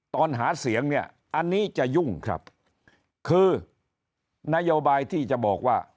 ตอนหาเสียงเนี่ยอันนี้จะยุ่งครับคือนโยบายที่จะบอกว่า